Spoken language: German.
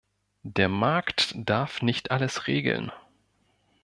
Der Markt darf nicht alles regeln.